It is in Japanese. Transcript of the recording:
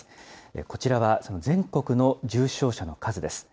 こちらはその全国の重症者の数です。